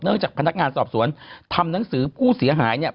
จากพนักงานสอบสวนทำหนังสือผู้เสียหายเนี่ย